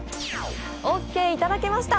オーケーいただけました！